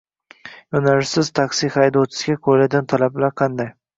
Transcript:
Yo‘nalishsiz taksi haydovchisiga qo‘yiladigan talablar qanday?